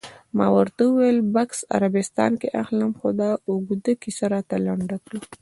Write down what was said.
ما ورته وویل: بکس عربستان کې اخلم، خو دا اوږده کیسه راته لنډه کړه.